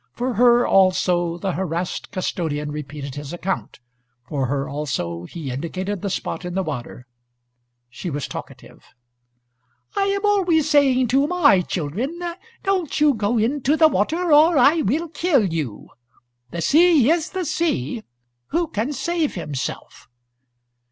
For her also the harassed custodian repeated his account, for her also he indicated the spot in the water. She was talkative. "I am always saying to my children, 'Don't you go into the water, or I will kill you!' The sea is the sea. Who can save himself?"